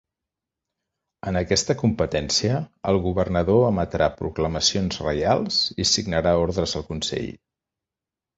En aquesta competència, el governador emetrà proclamacions reials i signarà ordres al consell.